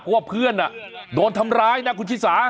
เพราะว่าเพื่อนโดนทำร้ายนะคุณชิสา